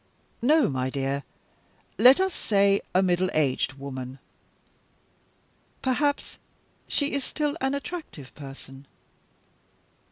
"No, my dear. Let us say, a middle aged woman." "Perhaps she is still an attractive person?"